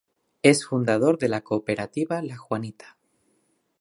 Es fundador de la Cooperativa La Juanita.